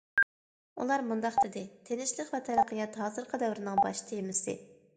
ئۇلار مۇنداق دېدى: تىنچلىق ۋە تەرەققىيات ھازىرقى دەۋرنىڭ باش تېمىسى.